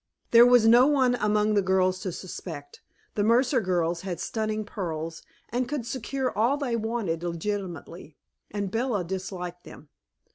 There was no one among the girls to suspect. The Mercer girls had stunning pearls, and could secure all they wanted legitimately; and Bella disliked them.